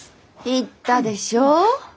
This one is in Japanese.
言ったでしょう？